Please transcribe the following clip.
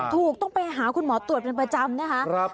ถูกต้องไปหาคุณหมอตรวจเป็นประจำนะคะ